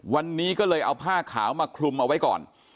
วันนี้ก็เลยเอาผ้าขาวมาคลุมเอาไว้ก่อน